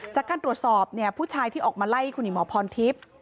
จากการตรวจสอบเนี่ยผู้ชายที่ออกมาไล่คุณหญิงหมอพรทิพย์